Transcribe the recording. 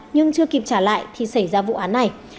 nhưng chưa kịp trả lại thì xảy ra vụ án này